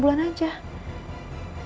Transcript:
tidak itu sudah lama saja